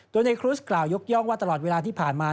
โดยในครุสกล่าวยกย่องว่าตลอดเวลาที่ผ่านมา